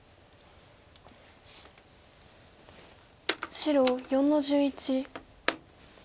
白４の十一。